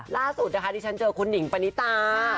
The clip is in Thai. ล่าสุดนะคะที่ฉันเจอคุณหนิงปณิตา